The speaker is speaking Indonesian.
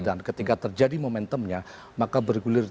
dan ketika terjadi momentumnya maka bergulir